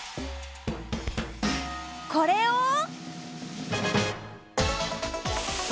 これを。